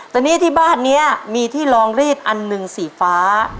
แต่ที่บ้านเชี่ยมเนี้ยมีที่รองรีดอันนึงสีฟ้า